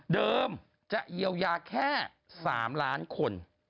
จะเยียวยาแค่๓ล้านคน